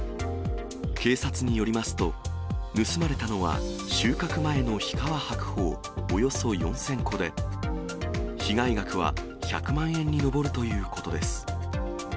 警察によりますと、盗まれたのは収穫前の日川白鳳およそ４０００個で、被害額は１００万円に上るということです。